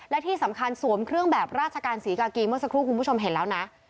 และที่สำคัญสวมเครื่องแบบราชการศรีกากีเมื่อสักครู่คุณผู้ชมเห็นแล้วนะ